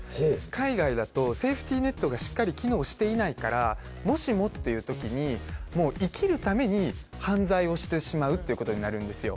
海外だとセーフティーネットがしっかり機能していないからもしもっていう時に生きるために犯罪をしてしまうっていうことになるんですよ。